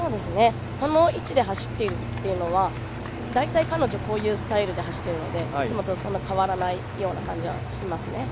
この位置で走っているというのは大体彼女、こういうスタイルで走っているのでいつもとそんなに変わらないような感じはしますね。